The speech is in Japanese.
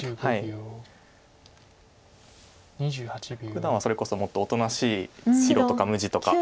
ふだんはそれこそもっとおとなしい色とか無地とか。